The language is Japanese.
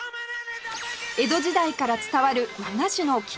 江戸時代から伝わる和菓子の木型美術館へ